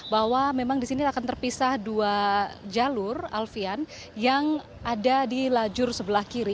bahwa memang di sini akan terpisah dua jalur alfian yang ada di lajur sebelah kiri